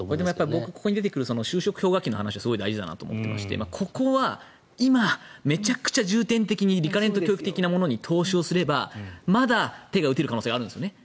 僕ここに出てくる就職氷河期の話すごい大事だなと思っていてここは今、すごく重点的にリカレント教育的なものに投資をすればまだ手が打てる可能性あるんですよね。